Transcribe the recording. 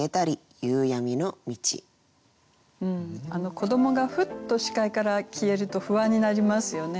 子どもがふっと視界から消えると不安になりますよね。